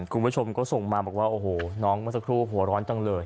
คุณผู้ชมก็ส่งมาบอกว่าโอ้โหน้องเมื่อสักครู่หัวร้อนจังเลย